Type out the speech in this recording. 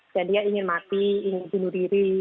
jadi dia ingin mati ingin bunuh diri